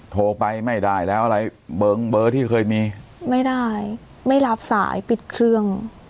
โทรไปไม่ได้แล้วอะไรเบอร์ที่เคยมีไม่ได้ไม่รับสายปิดเครื่อง